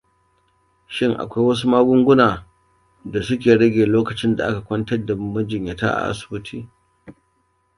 Shin akwai wasu magunguna suna rage lokacin da aka kwantar da majinyata asibiti?